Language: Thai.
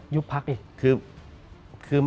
ยุบพรรคอีก